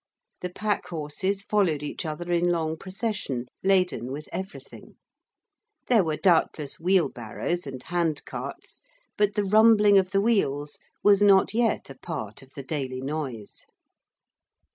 The packhorses followed each other in long procession, laden with everything; there were doubtless wheelbarrows and hand carts; but the rumbling of the wheels was not yet a part of the daily noise.